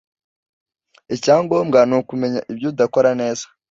Icyangombwa ni kumenya ibyo udakora neza